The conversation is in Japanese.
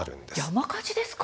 山火事ですか？